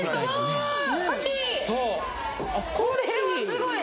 これはすごい！